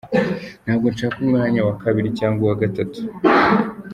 Ntabwo nshaka umwanya wa kabiri cyangwa uwa Gatatu".